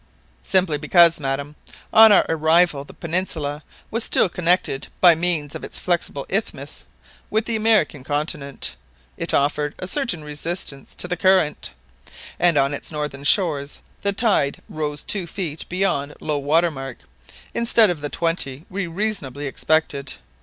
"Simply because, madam, on our arrival the peninsula was still connected by means of its flexible isthmus with the American continent. It offered a certain resistance to the current, and on its northern shores the tide rose two feet beyond low water mark, instead of the twenty we reasonably expected.